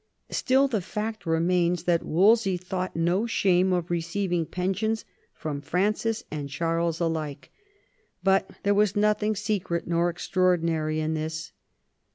Still the fact remains that Wolsey thought no shame of receiving pensions from Francis and Charles alike ; but there was nothing secret nor extraordinary in this.